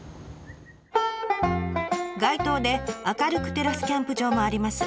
外灯で明るく照らすキャンプ場もあります。